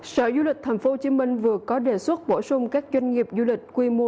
sở du lịch thành phố hồ chí minh vừa có đề xuất bổ sung các doanh nghiệp du lịch quy mô